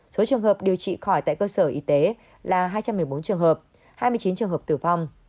số trường hợp điều trị khỏi tại cơ sở y tế là hai trăm một mươi bốn trường hợp hai mươi chín trường hợp tử vong